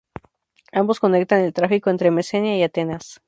Ambos conectan el tráfico entre Mesenia y Atenas.